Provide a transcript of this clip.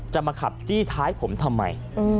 มาขับจี้ท้ายผมทำไม